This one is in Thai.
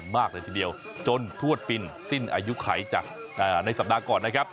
มากเลยทีเดียวจนทวดปินสิ้นอายุไขจากในสัปดาห์ก่อนนะครับ